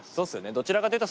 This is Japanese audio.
どちらかというと。